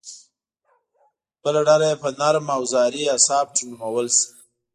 بله ډله یې به نرم اوزاري یا سافټ نومول شي